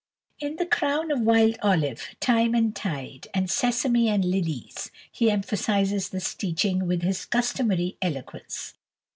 In the "Crown of Wild Olive," "Time and Tide," and "Sesame and Lilies," he emphasizes this teaching with his customary eloquence.